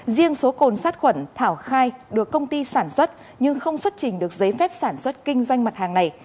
riêng số cồn sát khuẩn thảo khai được công ty sản xuất nhưng không xuất trình được giấy phép sản xuất kinh doanh mặt hàng này